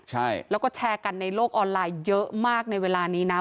ใช่แล้วก็แชร์กันในโลกออนไลน์เยอะมากในเวลานี้นะ